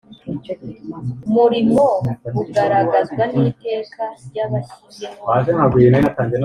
murimo bugaragazwa n iteka ryabashyizeho